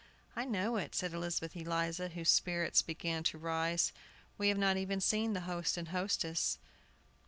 "I know it," said Elizabeth Eliza, whose spirits began to rise. "We have not even seen the host and hostess."